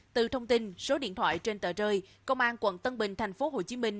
từ thông tin số điện thoại trên tờ rơi công an quận tân bình thành phố hồ chí minh